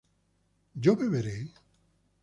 ¿yo beberé?